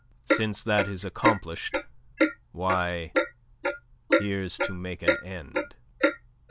Since that is accomplished, why, here's to make an end."